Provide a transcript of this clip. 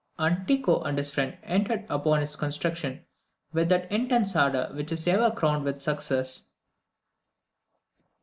and Tycho and his friend entered upon its construction with that intense ardour which is ever crowned with success.